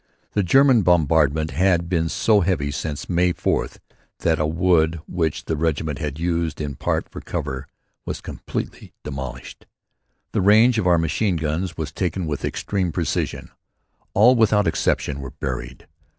The German bombardment had been so heavy since May 4th that a wood which the Regiment had used in part for cover was completely demolished. The range of our machine guns was taken with extreme precision. All, without exception, were buried.